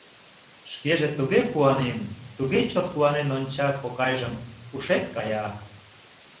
Шкеже туге куанен, туге чот куанен онча кокайжым, ушет кая-а!